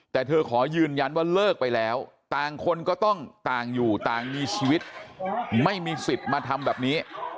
แต่เธอขอยืนยันว่าเลิกไปแล้วต่างคนก็ต้องต่างอยู่ต่างมีชีวิตไม่มีสิทธิ์มาทำแบบนี้